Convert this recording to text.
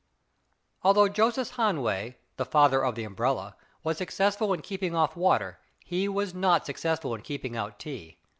Although Jonas Hanway, the father of the umbrella, was successful in keeping off water, he was not successful in keeping out tea.